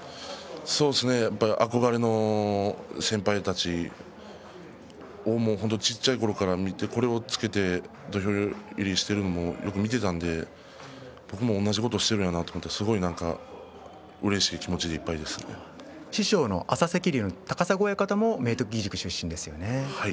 そうですねやっぱり憧れの先輩たちを小っちゃいころから見てこれをつけて土俵入りしているのもよく見ていたので僕も同じことしているんだなとすごくうれしい気持ちで師匠の元朝赤龍、高砂親方も明徳義塾の出身ですよね。